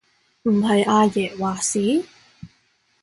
唔係阿爺話事？